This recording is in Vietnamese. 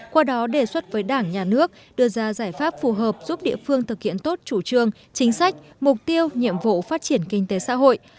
qua đó đề xuất với đảng nhà nước đưa ra giải pháp phù hợp giúp địa phương thực hiện tốt chủ trương chính sách mục tiêu nhiệm vụ phát triển kinh tế xã hội